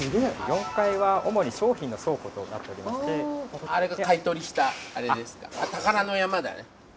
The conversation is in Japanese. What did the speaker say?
４階は主に商品の倉庫となっておりましてあれが買取したあれですか？